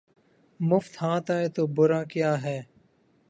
مفت ہاتھ آئے تو برا کیا ہے